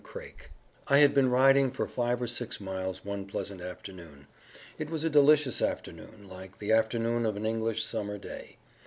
Craik "I had been riding for five or six miles one pleasant afternoon. It was a delicious afternoon, like the afternoon of an English summer day.